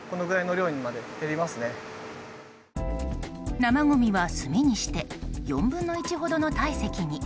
生ごみは炭にして４分の１ほどの体積に。